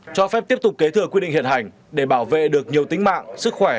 cho phép tiếp tục kế thừa quy định hiện hành để bảo vệ được nhiều tính mạng sức khỏe